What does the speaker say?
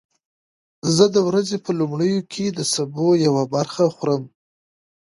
زه د ورځې په لومړیو کې د سبو یوه برخه خورم.